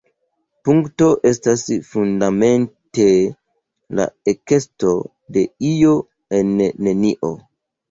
Punkto estas fundamente la ekesto de “io” en “nenio”.